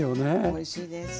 おいしいです。